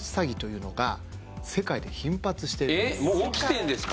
えっもう起きてんですか？